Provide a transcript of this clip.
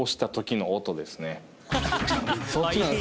そっちなんですね。